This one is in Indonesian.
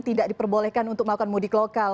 tidak diperbolehkan untuk melakukan mudik lokal